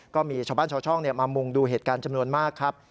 ก็มีชาวบ้านชาวช่องมามุงดูเหตุการณ์จำนวนมากครับ